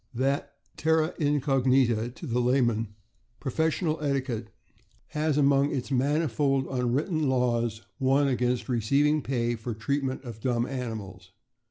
That terra incognita to the layman, "professional etiquette," has among its mani THE OLD ENGLISH SHEEP DOG. 527 fold unwritten laws one against receiving pay for treatment of dumb animals.